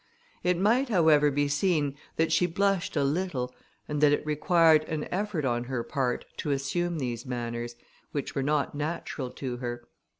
It might, however, be seen that she blushed a little, and that it required an effort on her part to assume these manners, which were not natural to her.